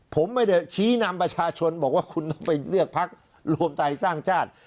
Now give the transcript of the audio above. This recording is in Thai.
ผมไม่ได้ชี้นำประชาชนบอกว่าคุณต้องไปเลือกพักรวมไทยสร้างชาติ